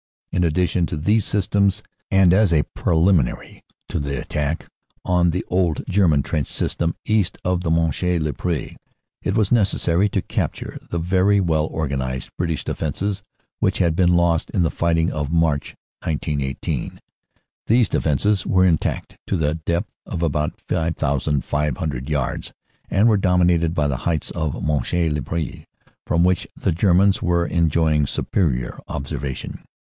"In addition to these systems, and as a preliminary to the attack on the old German trench system east of Monchy le Preux, it was necessary to capture the very well organized British defenses which had been lost in the fighting of March, 1918. These defenses were intact to a depth of about 5,500 yards, and were dominated by the heights of Monchy le Preux, from which the Germans were enjoying superior observation.